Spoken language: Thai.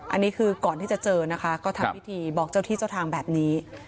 อันนี้คือก่อนที่จะเจอนะคะก็ทำพิธีบอกเจ้าที่เจ้าทางแบบนี้